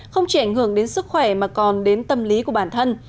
không chỉ ảnh hưởng đến sức khỏe mà còn đến tâm lý của bản thân